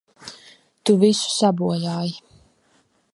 Tu visu sabojāji!